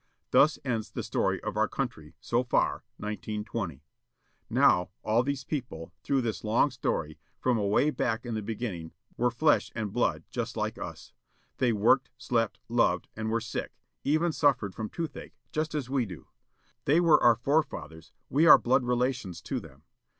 Thus ends the story of our country, so far, 1920. Now, all these people, through this long story, from away back in the beginning, were flesh and blood, just like us. They worked, slept, loved, and were sick â even suffered from toothache â just as we do. They were our forefathers, we are blood relations to them.